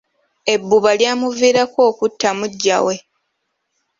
Ebbuba lyamuviirako kutta muggya we.